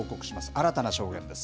新たな証言です。